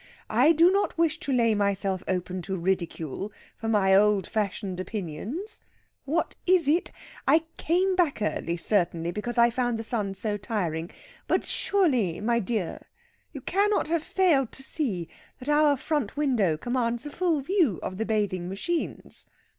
I do not wish to lay myself open to ridicule for my old fashioned opinions.... What is it? I came back early, certainly, because I found the sun so tiring; but surely, my dear, you cannot have failed to see that our front window commands a full view of the bathing machines.